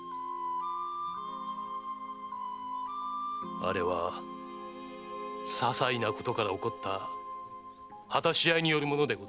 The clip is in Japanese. あれはささいなことから起こった果たし合いによるものです。